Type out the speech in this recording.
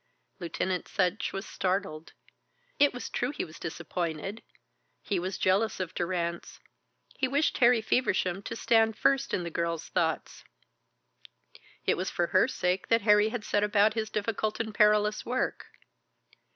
Lieutenant Sutch was startled. It was true he was disappointed; he was jealous of Durrance, he wished Harry Feversham to stand first in the girl's thoughts. It was for her sake that Harry had set about his difficult and perilous work.